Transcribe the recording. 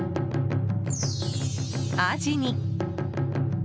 アジに。